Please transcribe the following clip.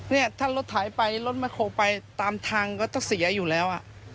เนี่ยถ้ารถถ่ายไปรถไม่โคไปตามทางก็ต้องเสียอยู่แล้ว